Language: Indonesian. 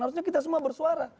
harusnya kita semua bersuara